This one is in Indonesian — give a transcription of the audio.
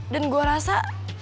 dan gua rasa